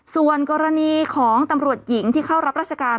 ส่วนกรณีของตำรวจหญิงที่เข้ารับราชการ